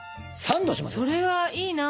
それはいいな。